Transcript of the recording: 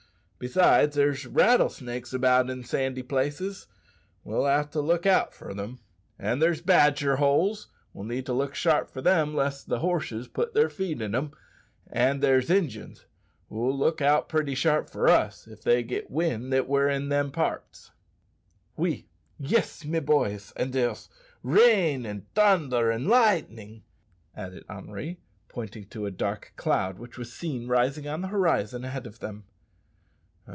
Besides, there's rattlesnakes about in sandy places, we'll ha' to look out for them; an' there's badger holes, we'll need to look sharp for them lest the horses put their feet in 'em; an' there's Injuns, who'll look out pretty sharp for us if they once get wind that we're in them parts." "Oui, yis, mes boys; and there's rain, and tunder, and lightin'," added Henri, pointing to a dark cloud which was seen rising on the horizon ahead of them.